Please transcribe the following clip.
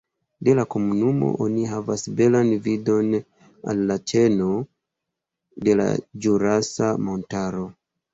De la komunumo oni havas belan vidon al la ĉeno de la Ĵurasa Montaro.